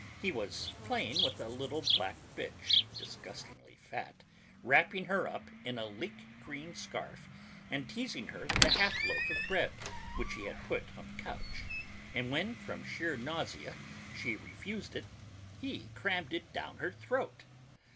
He was playing with a little black bitch, disgustingly fat, wrapping her up in a leek green scarf and teasing her with a half loaf of bread which he had put on the couch; and when from sheer nausea, she refused it, he crammed it down her throat.